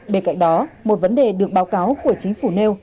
bên cạnh đó một vấn đề được báo cáo của chính phủ nêu